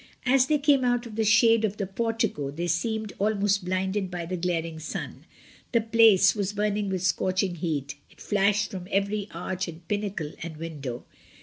As they came out of the shade of the portico they seemed almost blinded by the glaring sun; the place was burning with scorching heat; it flashed from every arch and pinnacle and window.